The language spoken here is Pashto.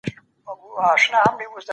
سوچه پښتو ژبه د پښتنو د ټولنیز نظم اساس دی